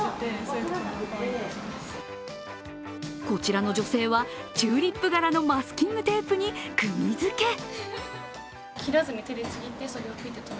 こちらの女性はチューリップ柄のマスキングテープにクギづけ。